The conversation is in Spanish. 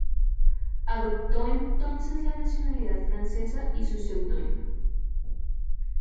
Adoptó entonces la nacionalidad francesa y su pseudónimo.